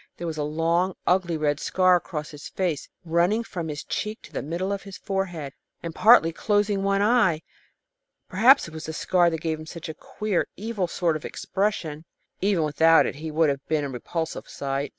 There was a long, ugly red scar across his face, running from his cheek to the middle of his forehead, and partly closing one eye. Perhaps it was the scar that gave him such a queer, evil sort of an expression; even without it he would have been a repulsive sight.